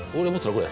これ。